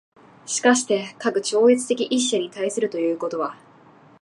而して、かく超越的一者に対するということは、